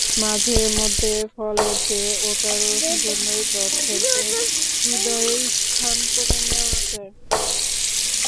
মাঝেমধ্যে ফলের চেয়ে ওটার জন্যই দর্শকদের হূদয়ে স্থান করে নেওয়া যায়।